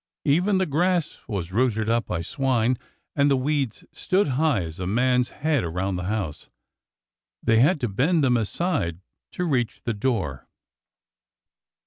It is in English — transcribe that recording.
Even the grass was rooted up by swine, and the weeds stood high as a man's head around the house. They had to bend them aside to reach the door.